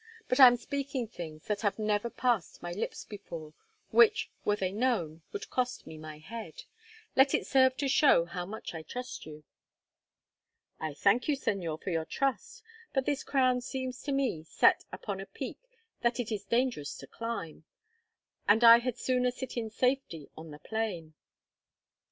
But I am speaking things that have never passed my lips before, which, were they known, would cost me my head—let it serve to show how much I trust you." "I thank you, Señor, for your trust; but this crown seems to me set upon a peak that it is dangerous to climb, and I had sooner sit in safety on the plain."